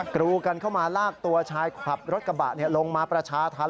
กรูกันเข้ามาลากตัวชายขับรถกระบะลงมาประชาธรรม